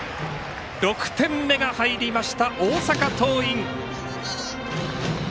６点目が入りました、大阪桐蔭。